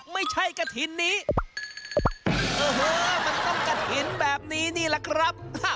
ไม่ใช่กระถิ่นนี้โอ้โหมันต้องกระถิ่นแบบนี้นี่แหละครับ